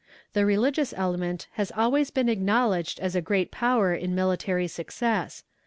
The religious element has always been acknowledged as a great power in military success.